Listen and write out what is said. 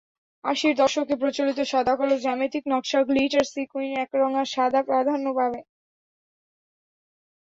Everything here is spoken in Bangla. আশির দশকে প্রচলিত সাদাকালো জ্যামিতিক নকশা, গ্লিটার, সিকুইন, একরঙা সাদা প্রাধান্য পাবে।